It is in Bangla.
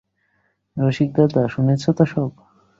রসিকদাদা, শুনেছ তো সব?